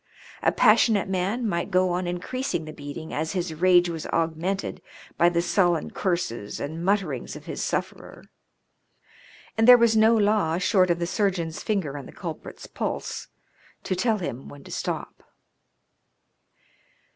A passionate man might go on increas ing the beating as his rage was augmented by the sullen curses and mutterings of his sufferer, and there was no •Singleton Fontenoy.' MABINE PUNISHMENTS. 119 law, short of the surgeon's finger on the culprit's pulse, to tell him when to stop.